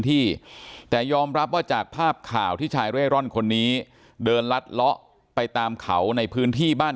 ที่แต่ยอมรับว่าจากภาพข่าวที่ชายเร่ร่อนคนนี้เดินลัดเลาะไปตามเขาในพื้นที่บ้าน